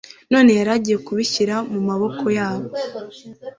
noneho yari agiye kubishyira mu maboko yabo,